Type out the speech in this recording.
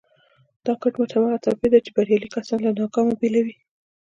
دا کټ مټ هماغه توپير دی چې بريالي کسان له ناکامو بېلوي.